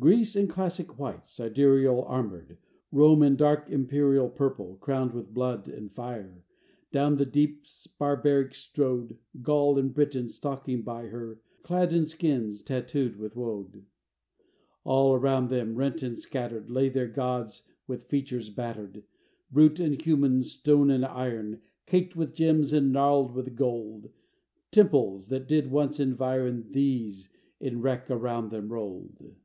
Greece, in classic white, sidereal Armored; Rome, in dark, imperial Purple, crowned with blood and fire, Down the deeps barbaric strode; Gaul and Britain stalking by her, Clad in skins, tattooed with woad. All around them, rent and scattered, Lay their gods with features battered, Brute and human, stone and iron, Caked with gems and gnarled with gold; Temples, that did once environ These, in wreck around them rolled.